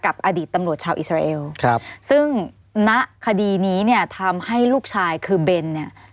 อดีตตำรวจชาวอิสราเอลครับซึ่งณคดีนี้เนี่ยทำให้ลูกชายคือเบนเนี่ย